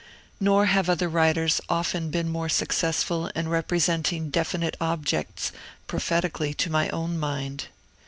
Nor have other writers often been more successful in representing definite objects prophetically to my own mind.